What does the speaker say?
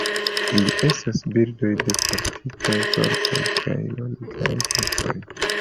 Ili estas birdoj de fortikaj korpoj kaj longaj bekoj.